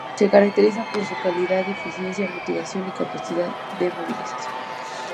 Se caracterizan por su calidad, eficiencia, motivación y capacidad de movilización.